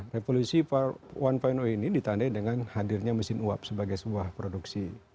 revolusi satu ratus lima ini ditandai dengan hadirnya mesin uap sebagai sebuah produksi